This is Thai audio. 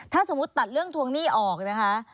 ถ้าสมมุติตัดเรื่องทวงหนี้ออกนะคะ